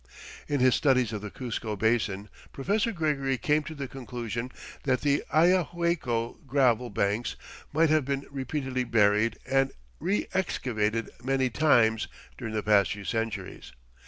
In his studies of the Cuzco Basin Professor Gregory came to the conclusion that the Ayahuaycco gravel banks might have been repeatedly buried and reëxcavated many times during the past few centuries.